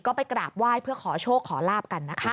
ก็ไปกราบไหว้เพื่อขอโชคขอลาบกันนะคะ